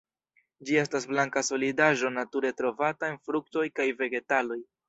Ĝi estas blanka solidaĵo nature trovata en fruktoj kaj vegetaloj.